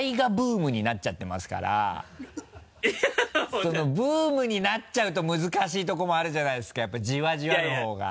そのブームになっちゃうと難しいとこもあるじゃないですかやっぱじわじわの方が。